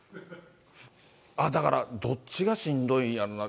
だから、どっちがしんどいんやろうな。